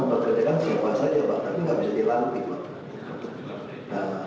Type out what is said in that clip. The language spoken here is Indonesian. bukan ada yang boleh dikirakan